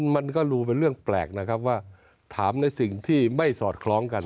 มันก็รู้เป็นเรื่องแปลกนะครับว่าถามในสิ่งที่ไม่สอดคล้องกัน